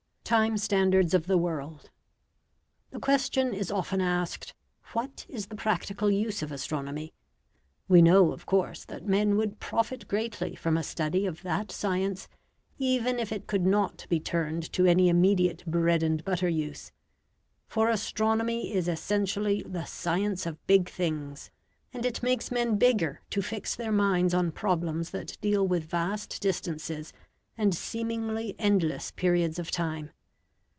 TIME STANDARDS OF THE WORLD The question is often asked, "What is the practical use of astronomy?" We know, of course, that men would profit greatly from a study of that science, even if it could not be turned to any immediate bread and butter use; for astronomy is essentially the science of big things, and it makes men bigger to fix their minds on problems that deal with vast distances and seemingly endless periods of time.